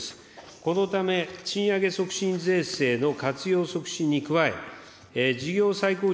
このため、賃上げ促進税制の活用促進に加え、事業再構築